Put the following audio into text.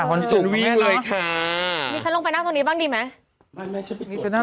นี่ฉันลงไปนั่งตรงนี้บ้างดีไหม